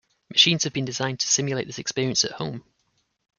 Machines have been designed to simulate this experience at home.